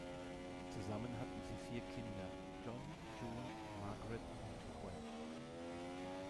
Zusammen hatten sie vier Kinder John, June, Margaret und Gwen.